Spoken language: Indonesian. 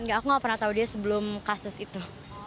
enggak aku nggak pernah tahu dia sebelum kasus itu